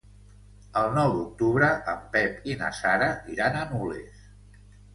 El nou d'octubre en Pep i na Sara iran a Nules.